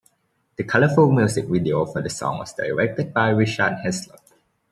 The colorful music video for the song was directed by Richard Heslop.